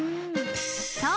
［そう！